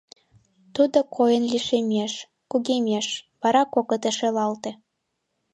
Тудо койын лишемеш, кугемеш, вара кокыте шелалте.